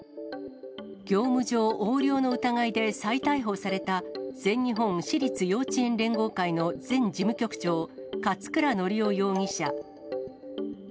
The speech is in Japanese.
業務上横領の疑いで再逮捕された、全日本私立幼稚園連合会の前事務局長、勝倉教雄容疑者。